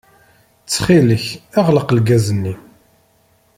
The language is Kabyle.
Ttxil-k, ɣleq lgaz-nni.